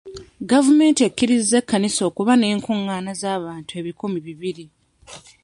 Gavumenti ekkirizza ekkanisa okuba n'enkungaana z'abantu ebikumi bibiri.